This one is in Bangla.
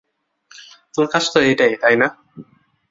তোর কাজ তো এটাই, তাই না?